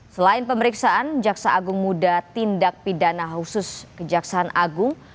selain pemeriksaan jaksa agung muda tindak pidana khusus kejaksaan agung